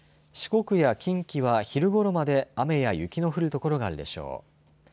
四国や近畿は昼ごろまで雨や雪の降る所があるでしょう。